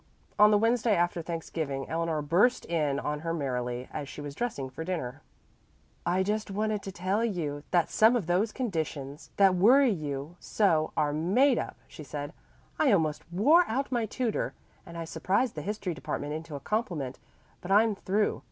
On the Wednesday after Thanksgiving Eleanor burst in on her merrily, as she was dressing for dinner. "I just wanted to tell you that some of those conditions that worry you so are made up," she said. "I almost wore out my tutor, and I surprised the history department into a compliment, but I'm through.